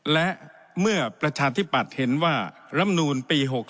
และเมื่อประชาธิปัตย์เห็นว่ารำนูลปี๖๓